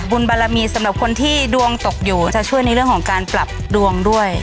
บารมีสำหรับคนที่ดวงตกอยู่จะช่วยในเรื่องของการปรับดวงด้วย